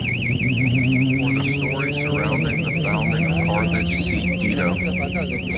For the story surrounding the founding of Carthage, see Dido.